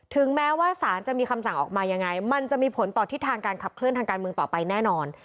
แม้ว่าสารจะมีคำสั่งออกมายังไงมันจะมีผลต่อทิศทางการขับเคลื่อนทางการเมืองต่อไปแน่นอน